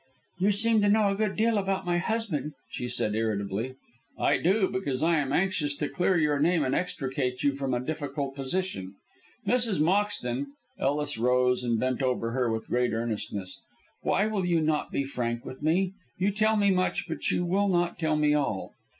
"You seem to know a good deal about my husband," she said irritably. "I do. Because I am anxious to clear your name and extricate you from a difficult position. Mrs. Moxton" Ellis rose and bent over her with great earnestness "why will you not be frank with me? You tell me much, but you will not tell me all."